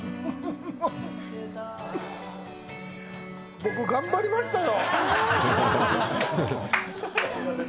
僕、頑張りましたよ。